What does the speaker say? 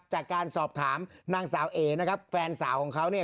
จากการสอบถามนางสาวเอนะครับแฟนสาวของเขาเนี่ย